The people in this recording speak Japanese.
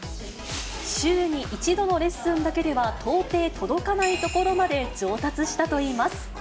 週に１度のレッスンだけでは到底届かないところまで上達したといいます。